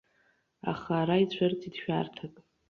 Аха ара ицәырҵит шәарҭак.